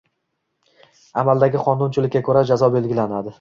Amaldagi qonunchilikka koʻra, jazo belgilanadi.